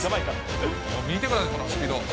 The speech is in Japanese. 見てください、このスピード。